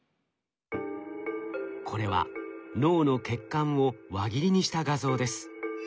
これは脳の血管を輪切りにした画像です。